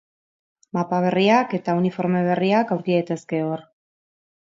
Mapa berriak eta uniforme berriak aurki daitezke hor.